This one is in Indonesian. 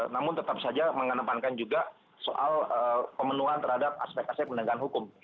namun tetap saja mengenepankan juga soal pemenuhan terhadap aspek aspek pendekatan hukum